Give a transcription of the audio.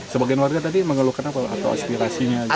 sebagian warga tadi mengeluhkan apa atau aspirasinya aja